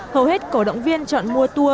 hầu hết cổ động viên chọn mua tour